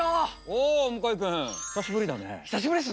おお向井君久しぶりだね。